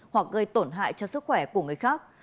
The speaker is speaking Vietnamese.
hoặc gây tổn hại cho sức khỏe của người khác